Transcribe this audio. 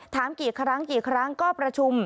ถามกี่ครั้งกี่ครั้งก็ประชุม